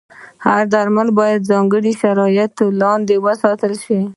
هر درمل باید د ځانګړو شرایطو لاندې وساتل شي.